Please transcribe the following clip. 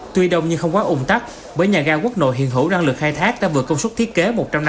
tuy đông nhưng không quá ung tắc bởi nhà ga quốc nội hiện hữu năng lực khai thác đã vượt công suất thiết kế một trăm năm mươi